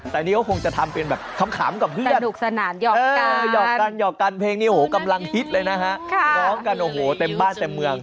แต่อันนี้คงจะทำเปลี่ยนกลับแบบข้ำกับเพื่อน